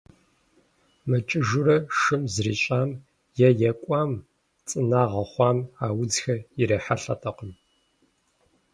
Мыкӏыжурэ шын зрищӏам, е екӏуам, цӏынагъэ хъуам а удзхэр ирахьэлӏэтэкъым.